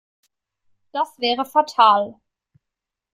Das wäre fatal.